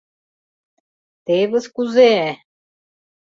— Тевыс кузе-э!..